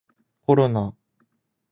コロナ